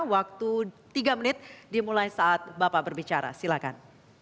waktu tiga menit dimulai saat bapak berbicara silakan